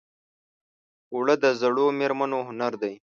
اوړه د زړو مېرمنو هنر دی